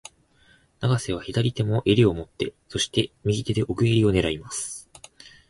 永瀬は左手も襟を持って、そして、右手で奥襟を狙います。